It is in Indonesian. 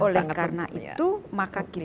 oleh karena itu maka kita